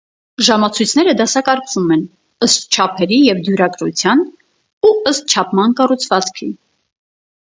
Ժամացույցները դասակարգվում են՝ ըստ չափերի և դյուրակրության ու ըստ չափման կառուցվածքի։